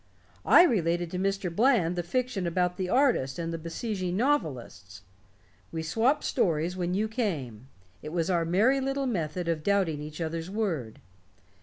I related to Mr. Bland the fiction about the artist and the besieging novelists. We swapped stories when you came it was our merry little method of doubting each other's word.